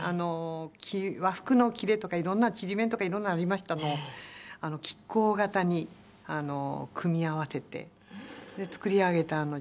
和服の切れとか色んなちりめんとか色んなのありましたのを亀甲形に組み合わせて作り上げたジャケットなんです。